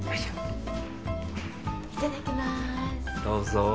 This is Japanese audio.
どうぞ。